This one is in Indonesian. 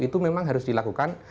itu memang harus dilakukan